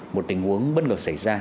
một tình huống bất ngờ xảy ra